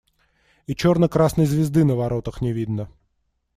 И черно-красной звезды на воротах не видно.